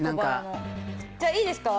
じゃあいいですか？